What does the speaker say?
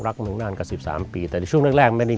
รักเมืองน่านกับสิบสามปีแต่ในช่วงแรกแรกไม่ได้